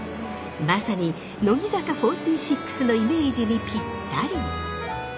まさに乃木坂４６のイメージにぴったり。